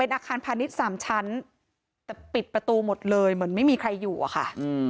อาคารพาณิชย์๓ชั้นแต่ปิดประตูหมดเลยเหมือนไม่มีใครอยู่อะค่ะ